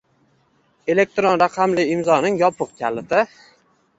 elektron raqamli imzoning yopiq kaliti